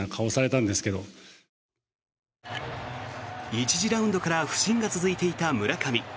１次ラウンドから不振が続いていた村上。